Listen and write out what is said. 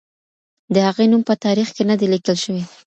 د هغې نوم په تاریخ کې نه دی لیکل شوی.